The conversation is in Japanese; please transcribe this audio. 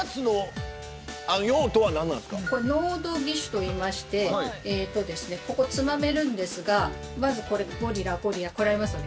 能動義手といいましてここつまめるんですがまずこれゴリラゴリラこれありますよね